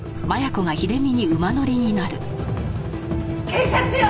警察よ！